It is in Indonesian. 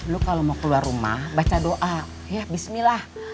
lu kalau mau keluar rumah baca doa ya bismillah